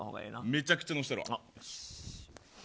めちゃくちゃ乗せたろ。